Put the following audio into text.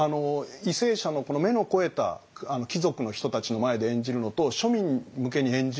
為政者の目の肥えた貴族の人たちの前で演じるのと庶民向けに演じるのでは演じ方を変えろと。